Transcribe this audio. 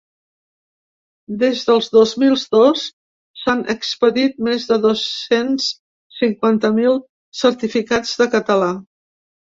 Des del dos mil dos s’han expedit més de dos-cents cinquanta mil certificats de català.